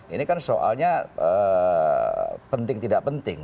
ini kan soalnya penting tidak penting